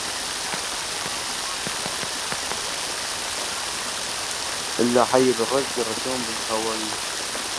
ألا حي بالزرق الرسوم الخواليا